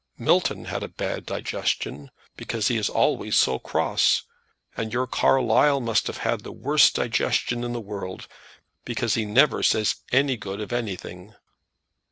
Milton had a bad digestion because he is always so cross; and your Carlyle must have the worst digestion in the world, because he never says any good of anything.